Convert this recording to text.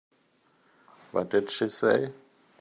What did she say?